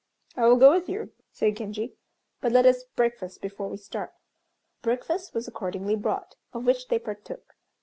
"I will go with you," said Genji, "but let us breakfast before we start." Breakfast was accordingly brought, of which they partook.